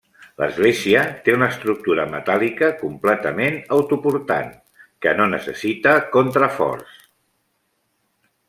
L'església té una estructura metàl·lica completament autoportant, que no necessita contraforts.